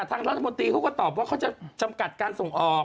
ทางรัฐมนตรีเขาก็ตอบว่าเขาจะจำกัดการส่งออก